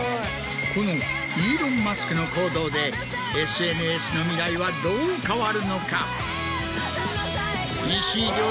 このイーロン・マスクの行動でＳＮＳの未来はどう変わるのか？